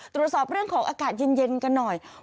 ตรวจสอบเรื่องของอากาศเย็นกันหน่อย